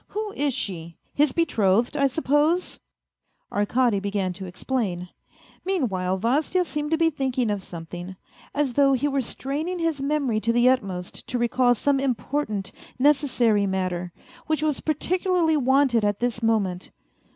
Who is she his betrothed, I suppose ?" Arkady began to explain. Meanwhile Vas} 7 a seemed to be thinking of something, as though he were straining his memory to the utmost to recall some important, necessary matter, which was particularly wanted at this moment.